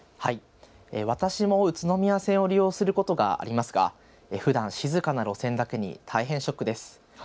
私も宇都宮線を利用することがありますがふだん静かな路線だけに大変ショックです。